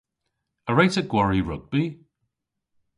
A wre'ta gwari rugbi?